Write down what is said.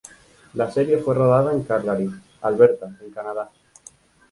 La serie fue rodada en Calgary, Alberta en Canadá.